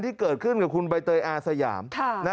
ที่เกิดขึ้นกับคุณใบเตยอาสยาม